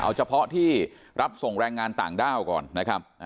เอาเฉพาะที่รับส่งแรงงานต่างด้าวก่อนนะครับ